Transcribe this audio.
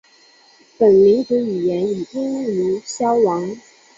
本民族语言已濒于消亡。